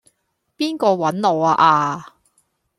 邊個搵我呀?